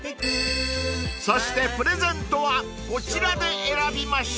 ［そしてプレゼントはこちらで選びました］